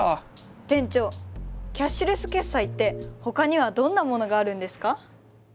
店長キャッシュレス決済ってほかにはどんなものがあるんですか？